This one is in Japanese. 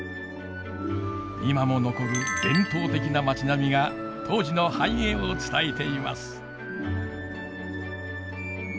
今も残る伝統的な町並みが当時の繁栄を伝えています。